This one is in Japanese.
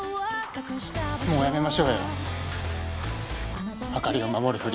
もうやめましょうよ朱莉を守るふり。